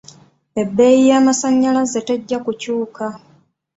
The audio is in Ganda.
Ebbeyi y'amasanyalaze tejja kukyuuka.